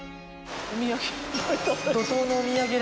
お土産。